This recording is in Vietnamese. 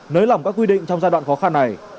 nới lỏng các quy định trong giai đoạn khó khăn này